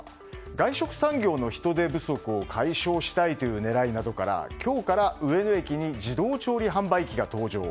外食産業の人手不足を解消したいという狙いなどから今日から上野駅に自動調理販売機が登場。